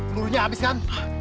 luruhnya habis kan